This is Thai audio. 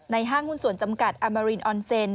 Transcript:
ห้างหุ้นส่วนจำกัดอามารินออนเซน